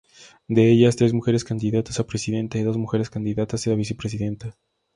De ellas, tres mujeres candidatas a presidenta, y dos mujeres candidatas a vicepresidenta.